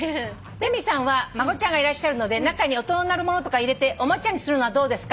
「由美さんは孫ちゃんがいるので中に音の鳴るものとか入れておもちゃにするのはどうですか？」